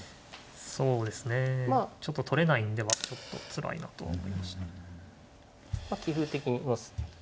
そうですねちょっと取れないんではちょっとつらいなとは思いましたね。